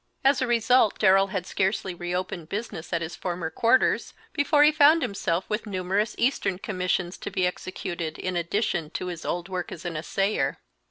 As a result, Darrell had scarcely reopened business at his former quarters before he found himself with numerous eastern commissions to be executed, in addition to his old work as assayer.